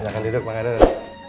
silahkan duduk bang harun